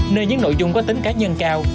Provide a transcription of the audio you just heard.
nơi những nội dung có tính cá nhân cao